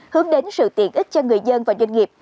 hướng đến sự tiện ích cho người dân và doanh nghiệp